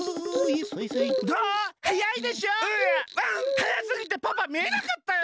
はやすぎてパパみえなかったよ。